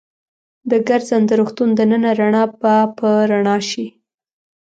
د ګرځنده روغتون دننه رڼا به په رڼا شي.